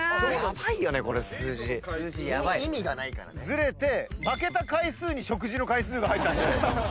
ずれて負けた回数に食事の回数が入ったんで。